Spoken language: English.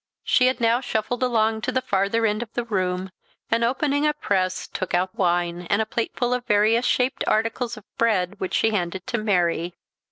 She had now shuffled along to the farther end of the room, and opening a press, took out wine, and a plateful of various shaped articles of bread, which she handed to Mary.